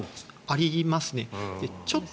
ありますね。